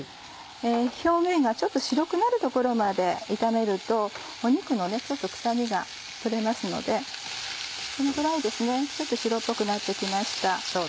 表面がちょっと白くなるところまで炒めると肉の臭みが取れますのでこのぐらいですねちょっと白っぽくなってきました。